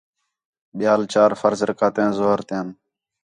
ٻِیال چار فرض رکعتیان ظُہر تیاں